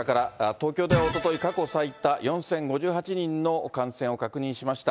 東京ではおととい、過去最多４０５８人の感染を確認しました。